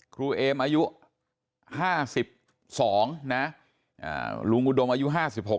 ครูเอ็มอายุห้าสิบสองนะอ่าหลวงอุดมอายุห้าสิบหก